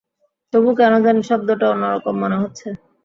তবু কেন জানি শব্দটা অন্য রকম মনে হচ্ছে।